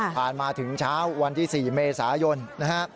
มาถึงเช้าวันที่๔เมษายนนะฮะ